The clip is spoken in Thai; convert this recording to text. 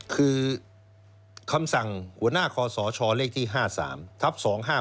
คือคำสั่งหัวหน้าคอสชเลขที่๕๓ทับ๒๕๖